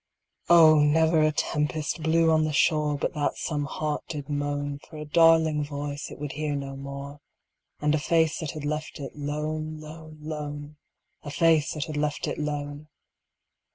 Oh! never a tempest blew on the shore But that some heart did moan For a darling voice it would hear no more And a face that had left it lone, lone, lone A face that had left it lone!